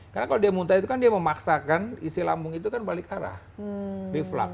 karena kalau dia muntah itu kan dia memaksakan isi lambung itu kan balik arah reflux